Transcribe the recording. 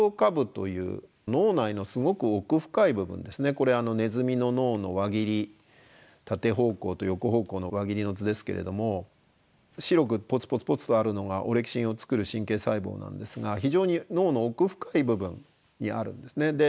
これネズミの脳の輪切り縦方向と横方向の輪切りの図ですけれども白くポツポツポツとあるのがオレキシンを作る神経細胞なんですが非常に脳の奥深い部分にあるんですね。